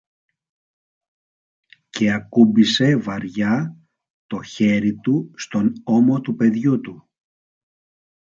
και ακούμπησε βαριά το χέρι του στον ώμο του παιδιού του.